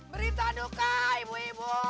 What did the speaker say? berita duka ibu ibu